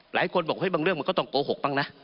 หลายคนบอกบางเรื่องมันก็ต้องโกหกบ้างนะ